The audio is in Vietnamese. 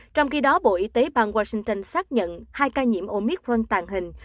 trong khi đó bộ y tế bang washington xác nhận hai ca nhiễm omicron tàn hình